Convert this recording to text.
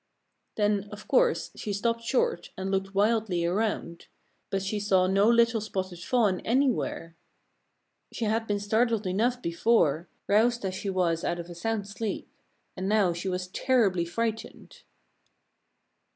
Then, of course, she stopped short and looked wildly around. But she saw no little spotted fawn anywhere. She had been startled enough, before, roused as she was out of a sound sleep. And now she was terribly frightened.